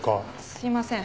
すいません。